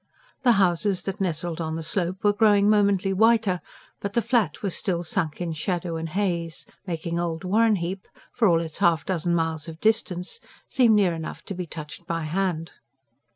The houses that nestled on the slope were growing momently whiter; but the Flat was still sunk in shadow and haze, making old Warrenheip, for all its half dozen miles of distance, seem near enough to be touched by hand.